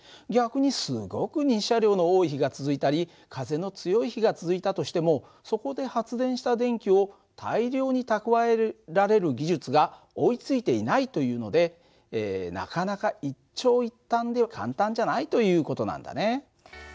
逆にすごく日射量の多い日が続いたり風の強い日が続いたとしてもそこで発電した電気を大量に蓄えられる技術が追いついていないというのでなかなか一長一短で簡単じゃないという事なんだね。